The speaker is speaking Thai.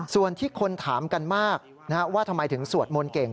ส่วนที่คนถามกันมากว่าทำไมถึงสวดมนต์เก่ง